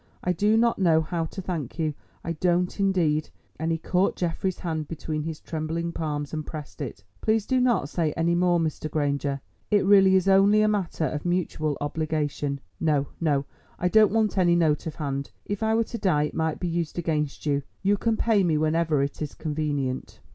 I do not know how to thank you—I don't indeed," and he caught Geoffrey's hand between his trembling palms and pressed it. "Please do not say any more, Mr. Granger; it really is only a matter of mutual obligation. No, no, I don't want any note of hand. If I were to die it might be used against you. You can pay me whenever it is convenient."